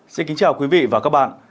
xin kính chào quý vị và các bạn